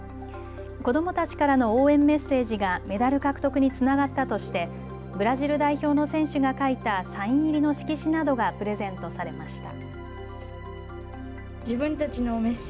子どもたちからの応援メッセージがメダル獲得につながったとしてブラジル代表の選手が書いたサイン入りの色紙などがプレゼントされました。